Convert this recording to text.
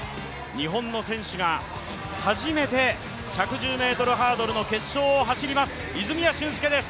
日本の選手が初めて１１０ｍハードルの決勝を走ります、泉谷駿介です。